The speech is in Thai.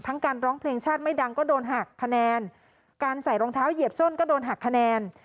การร้องเพลงชาติไม่ดังก็โดนหักคะแนนการใส่รองเท้าเหยียบส้นก็โดนหักคะแนน